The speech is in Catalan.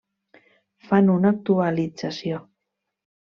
Fan una actualització: